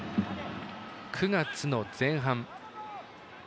９月の前半。